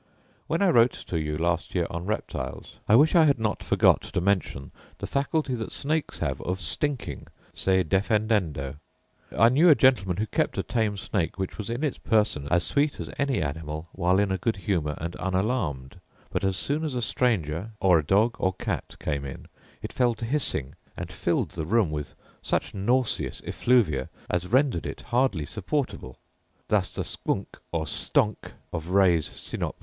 When I wrote to you last year on reptiles, I wish I had not forgot to mention the faculty that snakes have of stinking se defendendo. I knew a gentleman who kept a tame snake, which was in its person as sweet as any animal while in a good humour and unalarmed; but as soon as a stranger or a dog or cat, came in, it fell to hissing, and filled the room with such nauseous effluvia as rendered it hardly supportable. Thus the squnck, or stonck, of Ray's Synop.